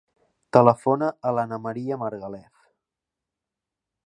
Telefona a l'Ana maria Margalef.